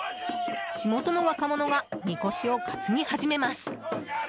地元の若者がみこしを担ぎ始めます。